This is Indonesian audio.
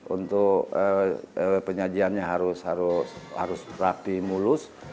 untuk penyajiannya harus rapi mulus